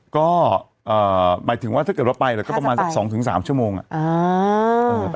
ก็หมายถึงว่าถ้าเกิดว่าไปก็ประมาณสัก๒๓ชั่วโมงอ่ะ